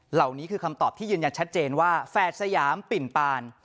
เหล่านี้คือคำตอบที่ยืนยันชัดเจนว่าแฝดสยามปิ่นปาน